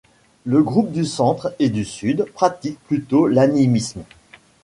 Le groupe du centre et du sud pratiquent plutôt l’animisme.